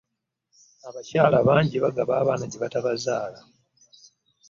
Abakyala bangi bagaba abaana gye batabazaala.